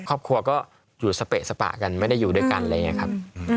ครอบครัวก็อยู่สเปะสปะกันไม่ได้อยู่ด้วยกันอะไรอย่างนี้ครับ